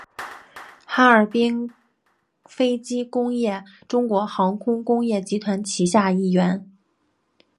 哈尔滨飞机工业中国航空工业集团旗下一员。